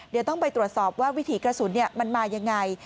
เดี๋ยวต้องไปตรวจสอบว่าวิถีกระสุนมันมายังไง